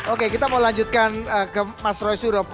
oke kita mau lanjutkan ke mas roy surop